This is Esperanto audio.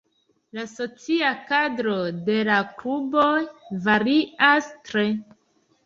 La socia kadro de la kluboj varias tre.